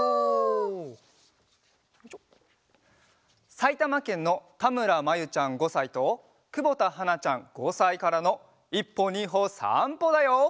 さいたまけんのたむらまゆちゃん５さいとくぼたはなちゃん５さいからの「１歩２歩さんぽ」だよ！